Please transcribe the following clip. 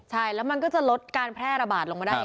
ใช่แล้วมันก็จะลดการแพร่ระบาดลงมาได้